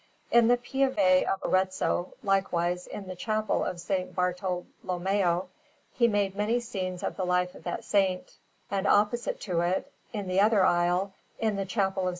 In the Pieve of Arezzo, likewise, in the Chapel of S. Bartolommeo, he made many scenes of the life of that Saint; and opposite to it, in the other aisle, in the Chapel of S.